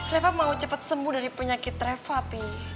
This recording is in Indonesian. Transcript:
reva mau cepat sembuh dari penyakit reva pi